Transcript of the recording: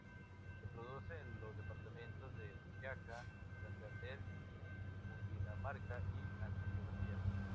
Se produce en los departamentos de Boyacá, Santander, Cundinamarca y Antioquia.